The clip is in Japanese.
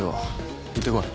行ってこい。